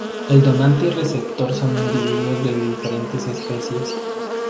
El donante y el receptor son individuos de diferentes especies.